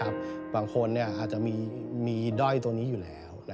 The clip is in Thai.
บางคนอาจจะมีด้อยตัวนี้อยู่แล้ว